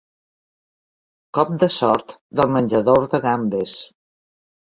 Cop de sort del menjador de gambes.